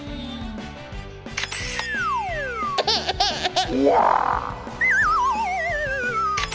อืม